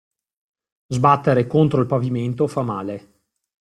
Sbattere contro il pavimento fa male.